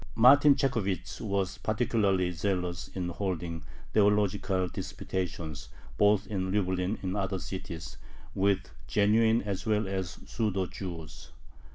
Martin Chekhovich was particularly zealous in holding theological disputations, both in Lublin and in other cities, "with genuine as well as pseudo Jews."